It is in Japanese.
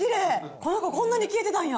この子、こんな消えてたんや。